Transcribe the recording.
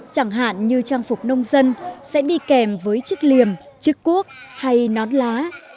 chẳng hạn như trang phục nông dân sẽ đi kèm với chiếc liềm chiếc cuốc hay nón lá